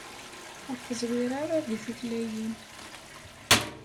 Ur teẓwir ara deg tutlayin.